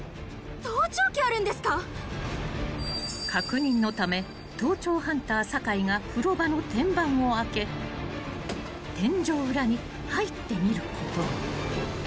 ［確認のため盗聴ハンター酒井が風呂場の天板を開け天井裏に入ってみることに］